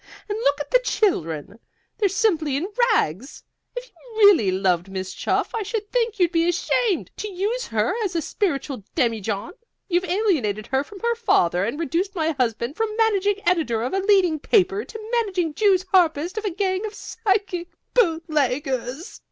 And look at the children! They're simply in rags. If you really loved Miss Chuff I should think you'd be ashamed to use her as a spiritual demijohn! You've alienated her from her father, and reduced my husband from managing editor of a leading paper to managing jew's harpist of a gang of psychic bootleggers."